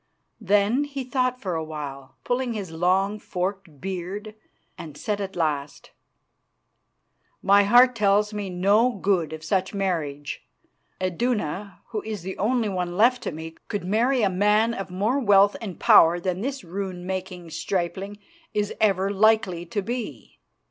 Then he thought for awhile, pulling at his long forked beard, and said at last: "My heart tells me no good of such a marriage. Iduna, who is the only one left to me, could marry a man of more wealth and power than this rune making stripling is ever likely to be.